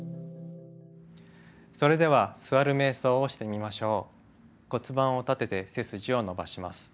それでは座る瞑想をしてみましょう。